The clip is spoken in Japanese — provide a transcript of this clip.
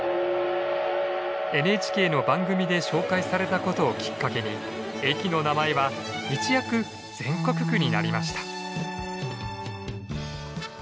ＮＨＫの番組で紹介されたことをきっかけに駅の名前は一躍全国区になりました。